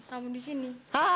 kamu di sini